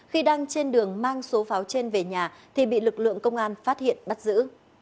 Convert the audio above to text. khi đang trên đường mang số pháo trên về nhà thì bị lực lượng công an phát hiện bắt giữ